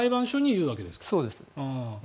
そうです。